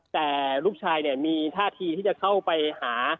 แต่ลูกชายมีท่าทีที่จะเข้าไปหา